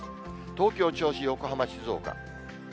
東京、銚子、横浜、静岡。